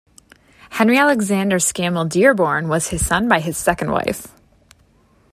Henry Alexander Scammell Dearborn was his son by his second wife.